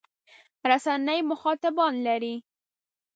رسنۍ مخاطبان لري.